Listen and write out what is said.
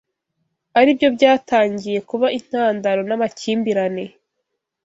aribyo byatangiye kuba intandaro n’amakimbirane